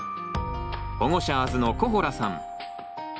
ホゴシャーズのコホラさん。